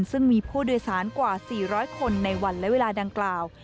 ซึ่งมีผู้โดยสารกว่า๔๐๐คนในวันและเวลาดังกล่าว